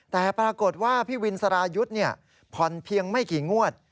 แต่ปรากฏว่าพี่วินสรายุทธ์ผ่อนเพียงไม่กี่งวด